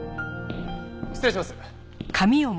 失礼します。